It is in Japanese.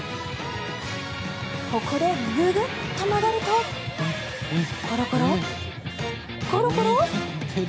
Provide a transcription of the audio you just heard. ここでググッと曲がるとコロコロ、コロコロ。